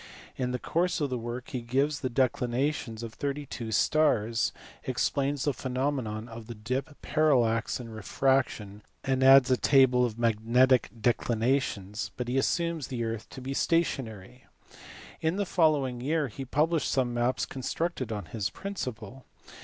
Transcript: In the course of the work he gives the declinations of thirty two stars, explains the pheno mena of the dip, parallax, and refraction, and adds a table of magnetic declinations, but he assumes the earth to be stationary. In the following year he published some maps constructed on his principle.